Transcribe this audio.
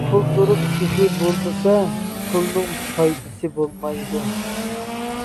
پۇل تۇرۇپ سېخى بولمىسا، پۇلنىڭ پايدىسى بولمايدۇ.